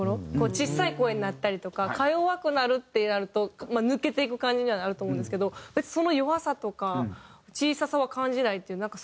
小さい声になったりとかか弱くなるってやると抜けていく感じにはなると思うんですけど別にその弱さとか小ささは感じないっていうなんか